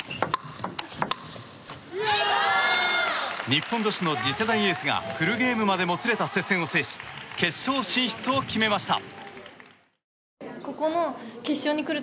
日本女子の次世代エースがフルゲームまでもつれた接戦を制し決勝進出を決めました。